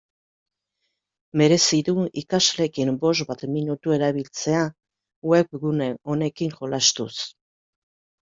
Merezi du ikasleekin bost bat minutu erabiltzea webgune honekin jolastuz.